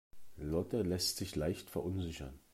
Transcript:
Lotte lässt sich leicht verunsichern.